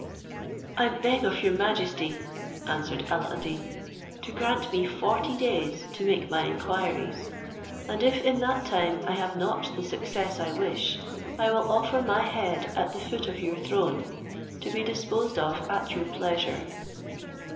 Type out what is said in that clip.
"I beg of your majesty," answered Alla ad Deen, "to grant me forty days to make my inquiries; and if in that time I have not the success I wish, I will offer my head at the foot of your throne, to be disposed of at your pleasure."